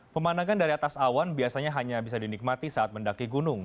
pemandangan dari atas awan biasanya hanya bisa dinikmati saat mendaki gunung